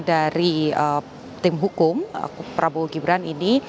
dari tim hukum prabowo gibran ini